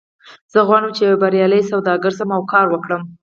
زه غواړم چې یو بریالی سوداګر شم او کار وکړم